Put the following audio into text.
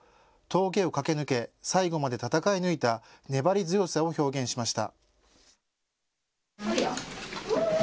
垰を駆け抜け最後まで戦い抜いた粘り強さを表現しました。